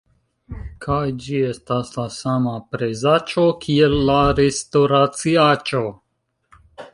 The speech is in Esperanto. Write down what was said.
kaj ĝi estas la sama prezaĉo kiel la restoraciaĉo!